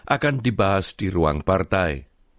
akan dibahas di ruang partai